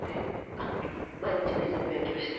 あっ毎日寝ずに勉強して？